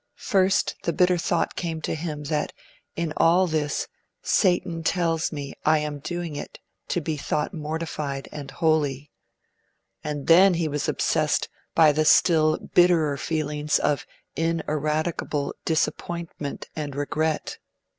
First the bitter thought came to him that 'in all this Satan tells me I am doing it to be thought mortified and holy'; and then he was obsessed by the still bitterer feelings of ineradicable disappointment and regret.